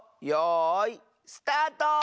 よいスタート！